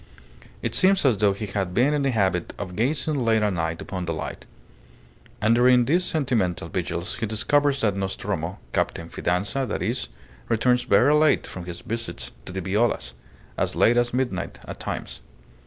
It seems as though he had been in the habit of gazing late at night upon the light. And during these sentimental vigils he discovers that Nostromo, Captain Fidanza that is, returns very late from his visits to the Violas. As late as midnight at times."